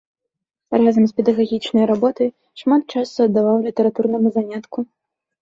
Разам з педагагічнай работай шмат часу аддаваў літаратурнаму занятку.